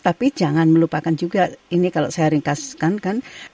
tapi jangan melupakan juga ini kalau saya ringkaskan kan